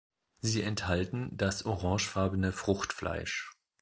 Sie enthalten das orangefarbene Fruchtfleisch.